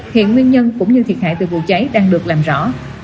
hiện nguyên nhân cũng như thiệt hại từ vụ cháy đang được làm rõ